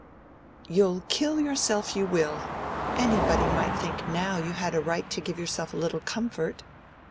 "You'll kill yourself, you will. Anybody might think now you had a right to give yourself a little comfort."